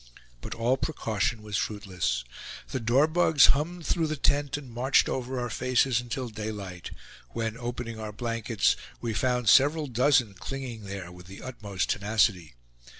But all precaution was fruitless. The dorbugs hummed through the tent, and marched over our faces until day light; when, opening our blankets, we found several dozen clinging there with the utmost tenacity.